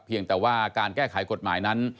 เพียงแต่ว่าการแก้ไขกฎหมายนั้น